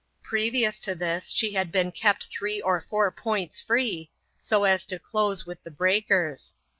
Previous to this, she had been kept three or four points free, so as to close with the breakers.